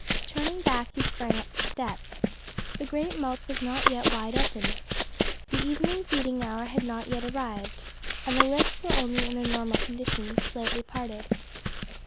Turning back, he sprang up the steps. The great mouth was not yet wide open. The evening feeding hour had not arrived, and the lips were only in their normal condition slightly parted.